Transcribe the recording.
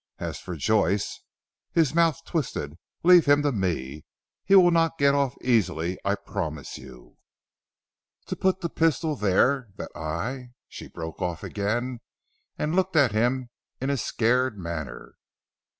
As for Joyce," his mouth twisted, "leave him to me. He will not get off easily I promise you." "To put the pistol there, that I " she broke off again, and looked at him in a scared manner.